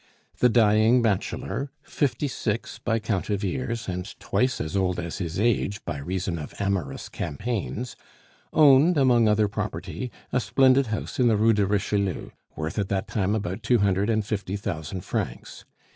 The dying bachelor, fifty six by count of years, and twice as old as his age by reason of amorous campaigns, owned, among other property, a splendid house in the Rue de Richelieu, worth at that time about two hundred and fifty thousand francs.